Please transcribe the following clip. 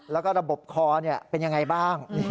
แล้วก็ระบบคอเป็นยังไงบ้าง